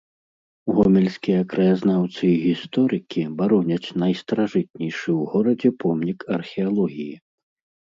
Гомельскія краязнаўцы і гісторыкі бароняць найстаражытнейшы ў горадзе помнік археалогіі.